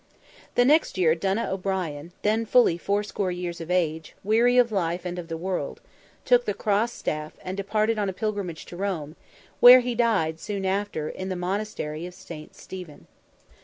The next year Donogh O'Brien, then fully fourscore years of age, weary of life and of the world, took the cross staff, and departed on a pilgrimage to Rome, where he died soon after, in the monastery of St. Stephen.